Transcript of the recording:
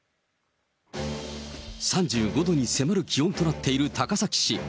３５度に迫る気温となっている高崎市。